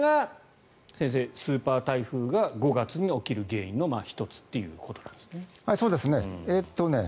これがスーパー台風が５月に起きる原因の１つということなんですね。